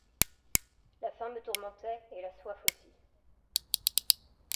La faim me tourmentait et la soif aussi.